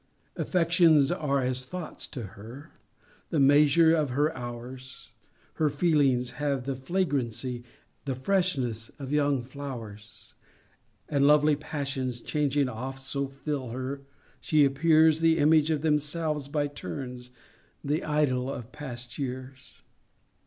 Affections are as thoughts to her, The measures of her hours; Her feelings have the flagrancy, The freshness of young flowers; And lovely passions, changing oft, So fill her, she appears The image of themselves by turns,— The idol of past years!